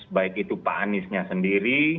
baik itu pak aniesnya sendiri